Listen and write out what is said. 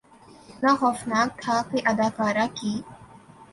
اتنا خوفناک تھا کہ اداکارہ کی